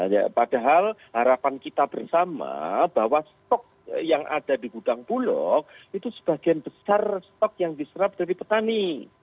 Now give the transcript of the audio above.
ya padahal harapan kita bersama bahwa stok yang ada di gudang bulok itu sebagian besar stok yang diserap dari petani